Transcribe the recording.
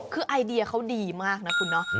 คือไอเดียเขาดีมากนะคุณเนาะ